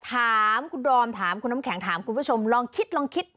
ถามคุณดอมถามคุณน้ำแข็งถามคุณผู้ชมลองคิดลองคิด